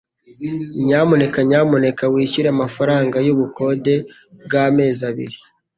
Nyamuneka nyamuneka wishyure amafaranga yubukode bwamezi abiri.